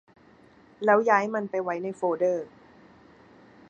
แล้วย้ายมันไปไว้ในโฟลเดอร์